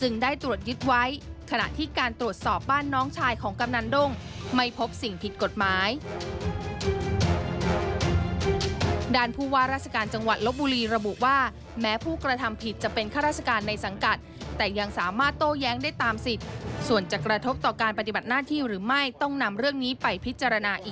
ในส่วนที่สองนั้นในเรื่องที่จะเกี่ยวข้องกับการปฏิบัติหน้าที่หรือเปล่า